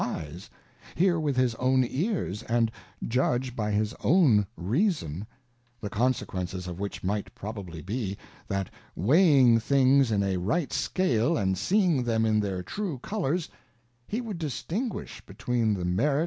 Eye% hear with his own Ears, and judge by his own Reason ; the consequence of which might probably be, that weighing things in a right Scale, and seeing them in their true Colours, he would distinguish J)etweeu^_ the merit.